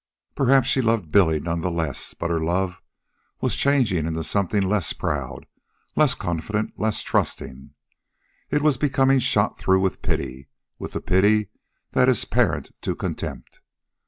Perhaps she loved Billy none the less, but her love was changing into something less proud, less confident, less trusting; it was becoming shot through with pity with the pity that is parent to contempt.